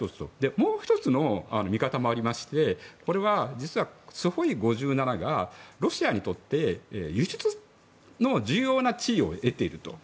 もう１つの見方もありましてこれは、実はスホイ５７がロシアにとって輸出の重要な地位を得ていると。